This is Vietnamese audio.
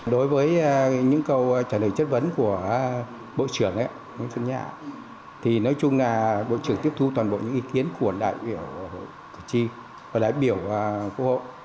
đối với những câu trả lời chất vấn của bộ trưởng nói chung là bộ trưởng tiếp thu toàn bộ những ý kiến của đại biểu